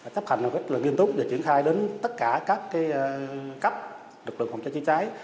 chấp hành rất nghiêm túc và triển khai đến tất cả các cấp lực lượng phòng cháy chữa cháy